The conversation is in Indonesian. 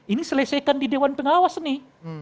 ini selesaikan di dewan pengawas nih